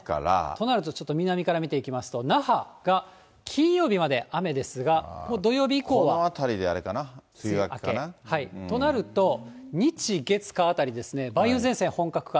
となると、ちょっと南から見ていきますと、那覇が金曜日までこのあたりであれかな、梅雨となると、日、月、火あたりですね、梅雨前線、本格化。